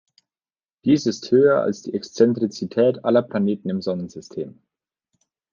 Dies ist höher als die Exzentrizität aller Planeten im Sonnensystem.